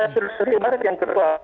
terus ibadah yang kedua